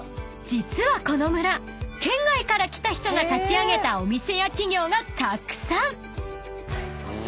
実はこの村県外から来た人が立ち上げたお店や企業がたくさん！］